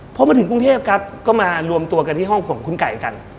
พอมาถึงกรุงเทพครับก็มารวมตัวกันที่ห้องของคุณไก่กัน